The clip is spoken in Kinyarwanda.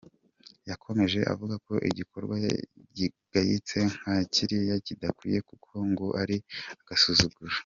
Yakomeje avuga ko igikorwa kigayitse nka kiriya kidakwiye kuko ngo ari agasuzuguro.